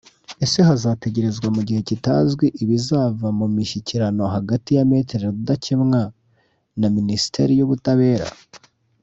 ese hazategerezwa mu gihe kitazwi ibizava mu mishyikirano hagati ya Me Rudakemwa na Minisiteri y’ubutabera